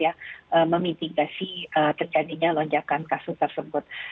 ya memitigasi terjadinya lonjakan kasus tersebut